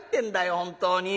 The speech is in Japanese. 本当に。